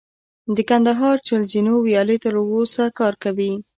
د کندهار چل زینو ویالې تر اوسه کار کوي